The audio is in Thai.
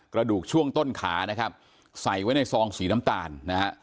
กระดูกช่วงต้นขานะครับใส่ไว้ในซองสีน้ำตาลนะฮะ